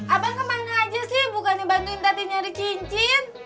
abang kemana aja sih bukan dibantuin tati nyari cincin